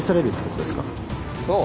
そう。